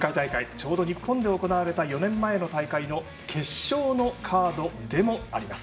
ちょうど、日本で行われた４年前の大会の決勝のカードでもあります。